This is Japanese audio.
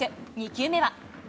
２球目は。